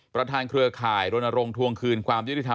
เครือข่ายรณรงค์ทวงคืนความยุติธรรม